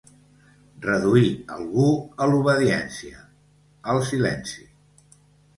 Reduir algú a l'obediència, al silenci.